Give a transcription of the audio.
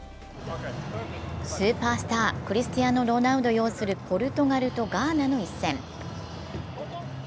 スーパースタークリスティアーノ・ロナウド擁するポルトガルとガーナの一戦。